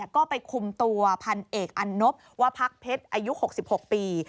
ก็ไปคุมตัวพันเอกอันนบว่าพักเพชรอายุ๖๖ปี